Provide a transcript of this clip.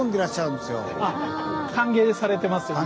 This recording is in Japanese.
歓迎されてますよね。